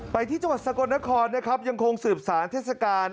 ไปที่จังหวัดสกลนครนะครับยังคงสืบสารเทศกาล